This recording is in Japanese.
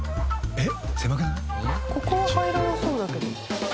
えっ！？